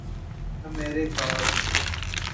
Americas